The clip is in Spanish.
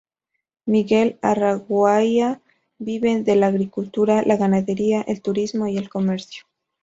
Miguel Araguaia viven de la agricultura, la ganadería, el turismo y el comercio.